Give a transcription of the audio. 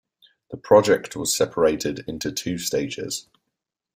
The project was separated into two stages.